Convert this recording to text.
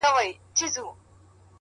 تا ولي په مسکا کي قهر وخندوئ اور ته ـ